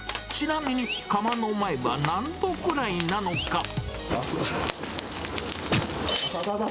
ちなみに釜の前は何度くらいなのか？